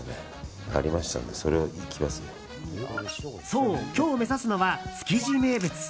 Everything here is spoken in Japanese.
そう、今日目指すのは築地名物。